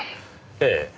ええ。